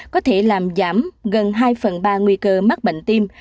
có thể làm giảm gần hai phần ba nguy cơ mắc bệnh tim